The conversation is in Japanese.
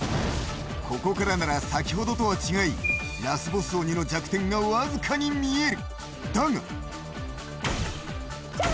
ここからなら先ほどとは違いラスボス鬼の弱点が僅かに見える。